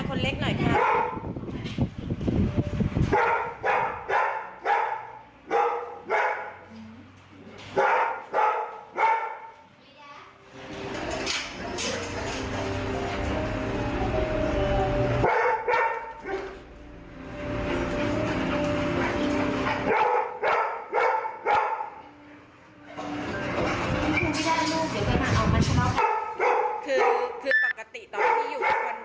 อันนี้นิรดาคนเล็กหน่อยครับ